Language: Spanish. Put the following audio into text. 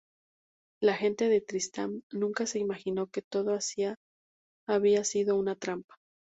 La gente de Tristram nunca se imaginó que todo había sido una trampa.